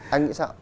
anh nghĩ sao